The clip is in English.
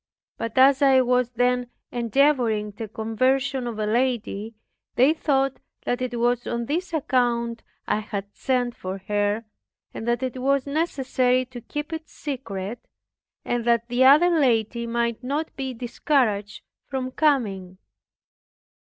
But as I was then endeavoring the conversion of a lady, they thought that it was on this account I had sent for her, and that it was necessary to keep it secret, that the other lady might not be discouraged from coming.